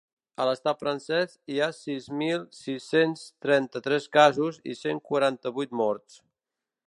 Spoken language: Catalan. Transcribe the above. A l’estat francès hi ha sis mil sis-cents trenta-tres casos i cent quaranta-vuit morts.